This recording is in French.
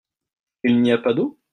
Il n'y a pas d'eau ?